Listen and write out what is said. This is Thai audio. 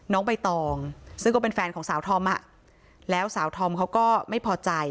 น้องใบตองซึ่งก็เป็นแฟนของสาวธอมอ่ะแล้วสาวธอมเขาก็ไม่พอใจ